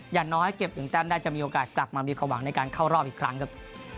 อย่างน้อยเก็บ๑แต้มได้จะมีโอกาสกลับมามีความหวังในการเข้ารอบอีกครั้งครับ